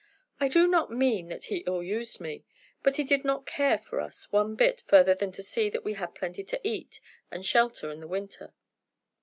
I do not mean that he ill used me, but he did not care for us one bit further than to see that we had plenty to eat, and shelter in the winter.